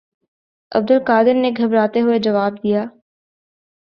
عبدالقادر نے گھبراتے ہوئے جواب دیا